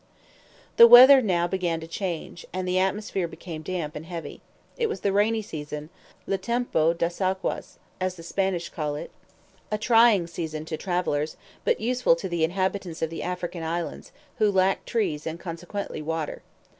The weather now began to change, and the atmosphere became damp and heavy. It was the rainy season, "le tempo das aguas," as the Spanish call it, a trying season to travelers, but useful to the inhabitants of the African Islands, who lack trees and consequently water.